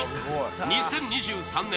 ２０２３年